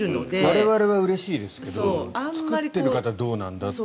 我々はうれしいですけど作ってる方はどうなんだという。